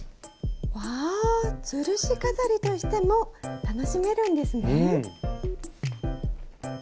うわぁつるし飾りとしても楽しめるんですね。